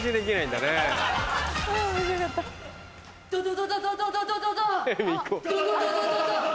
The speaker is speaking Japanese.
ドドドドドド！